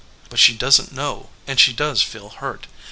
But she doesn t know, and she does feel hurt.